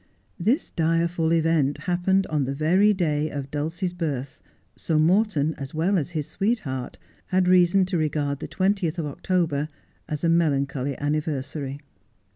This direful event happened on the very day of Dulcie's birth, so Morton, as well as his sweetheart, had reason to regard the 20th of October as a melancholy anniversary.